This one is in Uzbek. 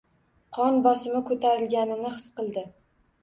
Qon bosimi ko‘tarilganini his qildi.